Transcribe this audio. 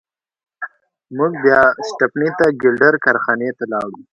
موږ بیا سټپني ته د ګیلډر کارخانې ته لاړو.